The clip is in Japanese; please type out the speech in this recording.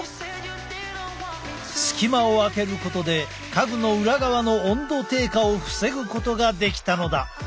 隙間を空けることで家具の裏側の温度低下を防ぐことができたのだ。